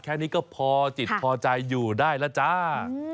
แค่นี้ก็พอจิตพอใจอยู่ได้แล้วจ้า